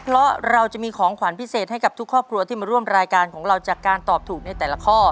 เพราะเราจะมีของขวัญพิเศษให้กับทุกครอบครัวที่มาร่วมรายการของเราจากการตอบถูกในแต่ละข้อ